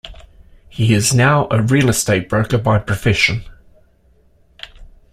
He is now a real estate broker by profession.